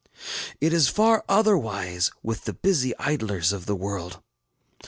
It is far otherwise with the busy idlers of the world.